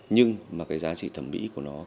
nhưng mà cái giá trị thẩm mỹ của nó